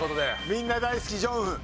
みんな大好きジョンウ。